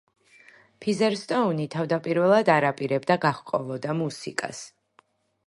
ფიზერსტოუნი თავდაპირველად არ აპირებდა გაჰყოლოდა მუსიკას.